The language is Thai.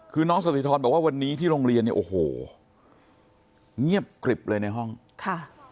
คือน้องสถิธรบอกว่าวันนี้ที่โรงเรียนเนี่ยโอ้โหเงียบกริบเลยในห้องค่ะ